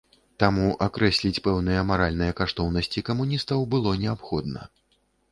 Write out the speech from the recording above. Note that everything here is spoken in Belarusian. Таму акрэсліць пэўныя маральныя каштоўнасці камуністаў было неабходна.